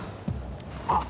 あっ！